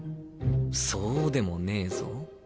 そうでもねえぞ。